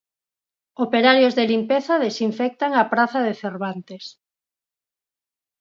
Operarios de limpeza desinfectan a praza de Cervantes.